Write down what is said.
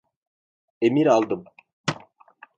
Emir aldım.